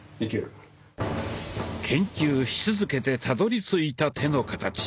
研究し続けてたどりついた手の形。